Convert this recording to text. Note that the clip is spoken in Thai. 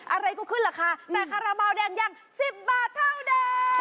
อะไรก็ขึ้นราคาแต่คาราบาลแดงยัง๑๐บาทเท่าเดิม